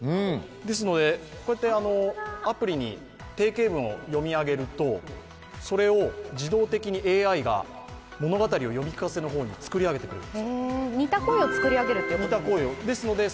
ですので、こうやってアプリに定型文を読み上げるとそれを自動的にＡＩが物語を読み聞かせに作り上げてくれる。